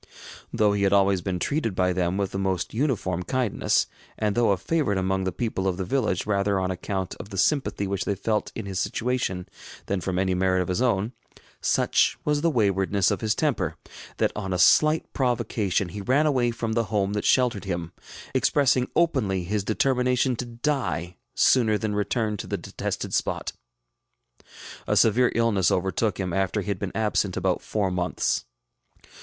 Though he had always been treated by them with the most uniform kindness, and though a favorite among the people of the village rather on account of the sympathy which they felt in his situation than from any merit of his own, such was the waywardness of his temper, that on a slight provocation he ran away from the home that sheltered him, expressing openly his determination to die sooner than return to the detested spot. A severe illness overtook him after he had been absent about four months.